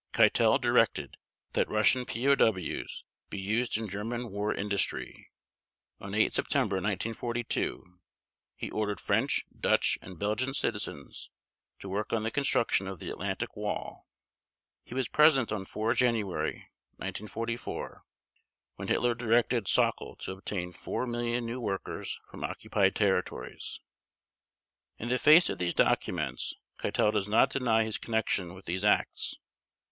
Keitel directed that Russian POW's be used in German war industry. On 8 September 1942 he ordered French, Dutch, and Belgian citizens to work on the construction of the Atlantic Wall. He was present on 4 January 1944 when Hitler directed Sauckel to obtain 4 million new workers from occupied territories. In the face of these documents Keitel does not deny his connection with these acts.